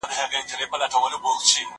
عجايب يې دي رنگونه د ټوكرانو